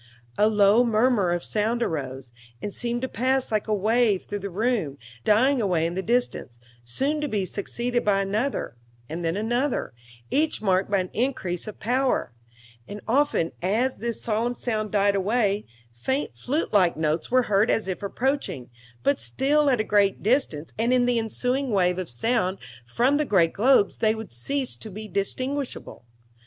A low murmur of sound arose, and seemed to pass like a wave through the room, dying away in the distance, soon to be succeeded by another, and then another, each marked by an increase of power; and often as this solemn sound died away, faint flute like notes were heard as if approaching, but still at a great distance, and in the ensuing wave of sound from the great globes they would cease to be distinguishable.